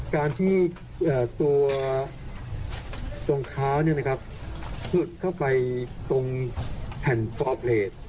การที่ตัวตรงค้าเนี่ยนะครับหลุดเข้าไปตรงแผ่นต๊อปแรด